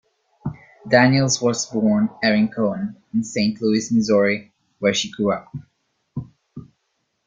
Daniels was born Erin Cohen in Saint Louis, Missouri, where she grew up.